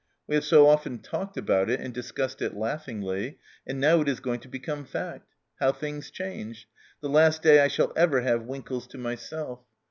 We have so often talked about it and discussed it laughingly, and now it is going to become fact. How things change ! The last day I shall ever have Winkles to myself